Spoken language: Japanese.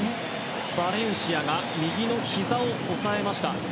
バレンシアが右のひざを押さえました。